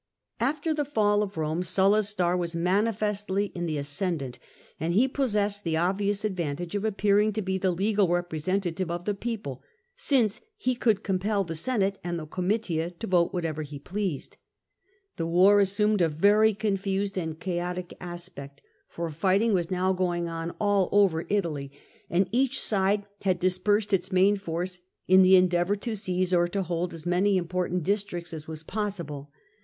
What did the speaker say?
After the fall of Eome Sulla's star was manifestly in the ascendant, and he possessed the obvious advantage of appearing to be the legal representative of the people, since he could compel the Senate and the Oomitia to vote whatever he pleased. The war assumed a very confused and chaotic aspect, for fighting was now going on all BATTLE OF THE COLLINE GATE 143 over Italy, and each side had dispersed its main force, in the endeavour to seize or to hold as many important districts as was possible.